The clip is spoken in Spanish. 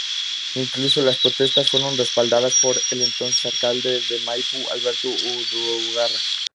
Incluso, las protestas fueron respaldadas por el entonces alcalde de Maipú, Alberto Undurraga.